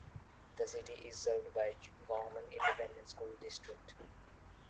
The city is served by the Gorman Independent School District.